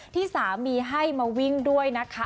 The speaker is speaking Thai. ที่สามีให้มาวิ่งด้วยนะคะ